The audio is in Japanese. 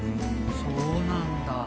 そうなんだ。